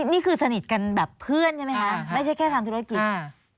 นี่คือสนิทกันแบบเพื่อนใช่ไหมคะไม่ใช่แค่ทำธุรกิจอ่า